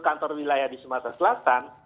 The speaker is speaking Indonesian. kantor wilayah di sumatera selatan